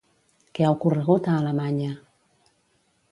Què ha ocorregut a Alemanya?